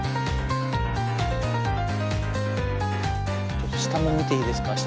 ちょっと下も見ていいですか下。